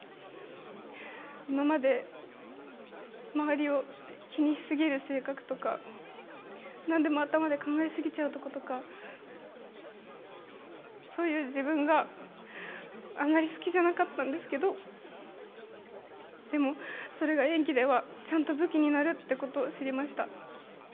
今まで周りを気にしすぎる性格とか何でも頭で考えすぎちゃうところとか、そういう自分があまり好きじゃなかったんですけれどもでも、それが演技ではちゃんと武器になるってことを知りました。